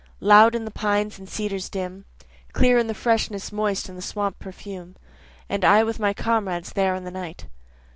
Loud in the pines and cedars dim, Clear in the freshness moist and the swamp perfume, And I with my comrades there in the night.